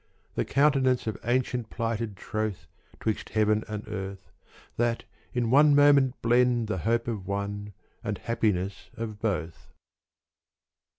The countenance of ancient plighted troth 'Twixt heaven and earth, that in one moment blend The hope of one and happiness of both.